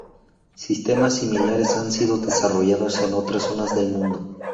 Sistemas similares han sido desarrollados en otras zonas del mundo.